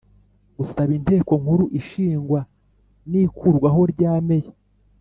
Gusaba Inteko Nkuru ishingwa n ikurwaho ryameya